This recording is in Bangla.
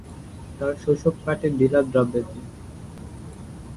তার শৈশব কাটে ভিলা-দাভ্রেতে।